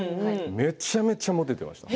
めちゃめちゃモテていました。